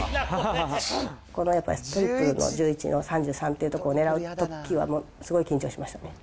これはやっぱりトリプルの１１、３３点の所を狙うときは、もうすごい緊張しましたね。